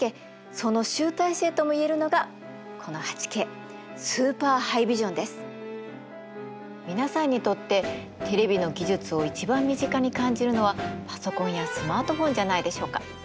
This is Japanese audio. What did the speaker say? その集大成とも言えるのがこの皆さんにとってテレビの技術を一番身近に感じるのはパソコンやスマートフォンじゃないでしょうか？